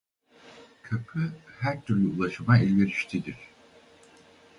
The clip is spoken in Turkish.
Köprü her türlü ulaşıma elverişlidir.